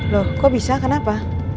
loh kok bisa kenapa